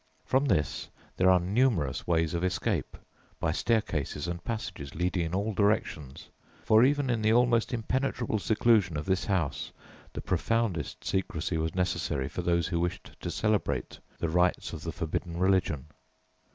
From this there are numerous ways of escape, by staircases and passages leading in all directions, for even in the almost impenetrable seclusion of this house the profoundest secrecy was necessary for those who wished to celebrate the rites of the forbidden religion.